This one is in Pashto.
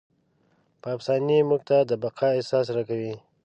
دا افسانې موږ ته د بقا احساس راکوي.